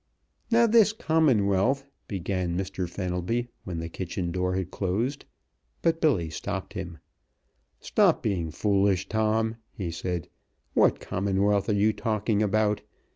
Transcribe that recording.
"Now, this Commonwealth " began Mr. Fenelby, when the kitchen door had closed, but Billy stopped him. "Stop being foolish, Tom," he said. "What Commonwealth are you talking about?